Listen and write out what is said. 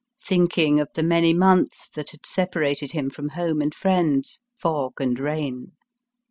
183 thinking of the many months that had separated hinx from home and friends, fog and rain.